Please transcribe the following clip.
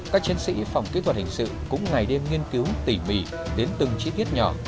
các chiến sĩ phòng kỹ thuật hình sự cũng ngày đêm nghiên cứu tỉ mỉ đến từng chi tiết nhỏ